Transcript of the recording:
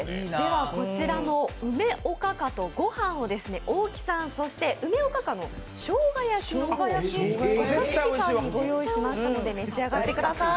こちらの梅おかかとご飯を大木さん、そして梅おかかのしょうが焼きを若槻さんにご用意しましたので、召し上がってください。